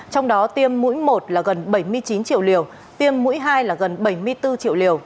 trong đó tiêm mũi một là gần bảy mươi chín triệu liều tiêm mũi hai là gần bảy mươi bốn triệu liều